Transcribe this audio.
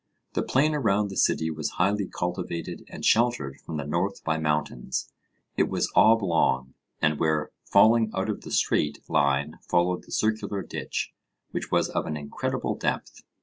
The plain around the city was highly cultivated and sheltered from the north by mountains; it was oblong, and where falling out of the straight line followed the circular ditch, which was of an incredible depth.